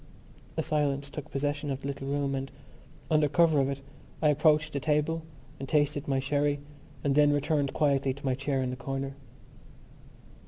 A silence took possession of the little room and, under cover of it, I approached the table and tasted my sherry and then returned quietly to my chair in the corner.